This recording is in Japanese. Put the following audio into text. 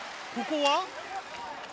ここは？